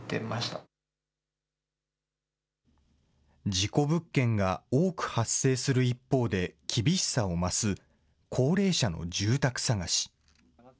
事故物件が多く発生する一方で、厳しさを増す高齢者の住宅探し。